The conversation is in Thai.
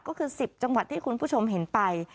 ก็คือ๑๐จังหวัดที่คุณผู้ชมเห็นไป